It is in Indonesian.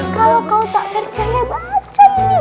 kalau kau tak percaya baca nih